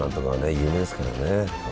有名ですからね。